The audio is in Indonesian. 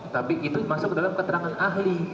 tapi itu masuk ke dalam keterangan ahli